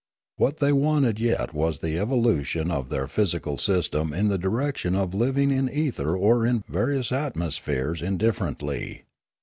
What they wanted yet was the evolution of their phys ical system in the direction of living in ether or in various atmospheres indifferently.